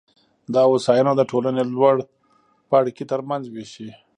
دا هوساینه د ټولنې لوړ پاړکي ترمنځ وېشي